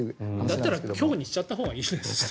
だったら強にしちゃったほうがいいね。